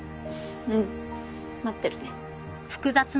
うん待ってるね。